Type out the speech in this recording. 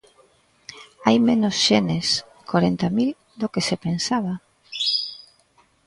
Hai menos xenes, corenta mil, do que se pensaba.